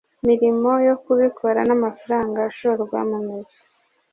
mirimo yo kubikora n amafaranga ashorwa mumizi